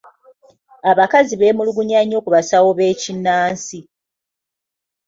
Abakazi beemulugunya nnyo ku basawo b'ekinnansi.